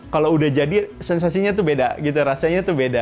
kalau udah jadi sensasinya itu beda rasanya itu beda